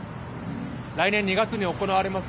来年２月に行われます